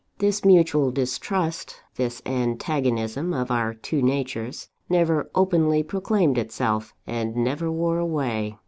This mutual distrust, this antagonism of our two natures, never openly proclaimed itself, and never wore away.